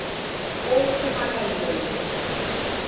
Couto Magalhães